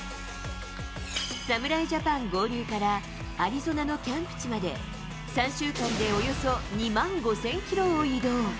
侍ジャパン合流からアリゾナのキャンプ地まで、３週間でおよそ２万５０００キロを移動。